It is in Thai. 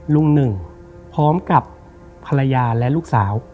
ลุงหนึ่งพร้อมกับภรรยาและลูกสาว